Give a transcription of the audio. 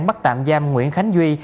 bắt tạm giam nguyễn khánh duy